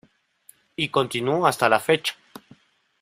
Y continuó hasta la fecha.